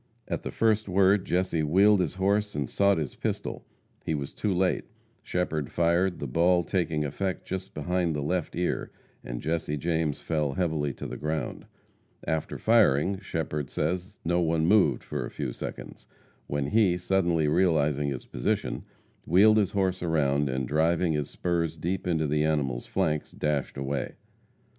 At the first word Jesse wheeled his horse and sought his pistol. He was too late. Shepherd fired, the ball taking effect just behind the left ear, and Jesse James fell heavily to the ground. After firing, Shepherd says no one moved for a few seconds, when he, suddenly realizing his position, wheeled his horse around, and driving his spurs deep into the animal's flanks, dashed away.